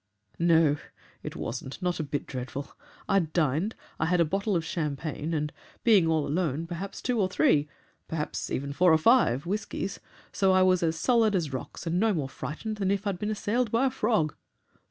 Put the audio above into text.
No, it wasn't not a bit dreadful. I'd dined. I'd had a bottle of champagne, and being all alone, perhaps two or three perhaps even four or five whiskies, so I was as solid as rocks and no more frightened than if I'd been assailed by a frog.